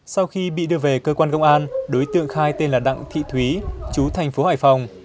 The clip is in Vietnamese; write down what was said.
sau khi bị đưa về cơ quan công an đối tượng khai tên là đặng thị thúy chú thành phố hải phòng